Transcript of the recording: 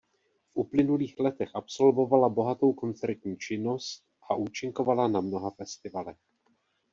V uplynulých letech absolvovala bohatou koncertní činnost a účinkovala na mnoha festivalech.